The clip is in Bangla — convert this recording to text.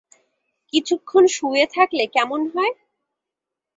কিছুক্ষণ শুয়ে থাকলে কেমন হয়?